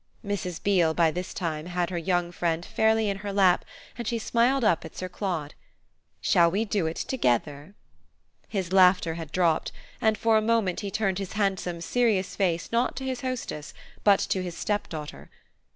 Mrs. Beale by this time had her young friend fairly in her lap and she smiled up at Sir Claude. "Shall we do it together?" His laughter had dropped, and for a moment he turned his handsome serious face not to his hostess, but to his stepdaughter.